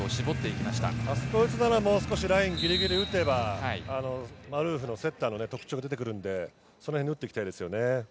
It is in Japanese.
あそこを打つなら、もう少しラインのギリギリを打てば、マルーフのセッターの特徴がでてくるので、そのへんに打っていきたいですね。